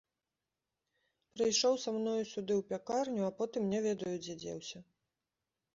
Прыйшоў са мною сюды ў пякарню, а потым не ведаю, дзе дзеўся!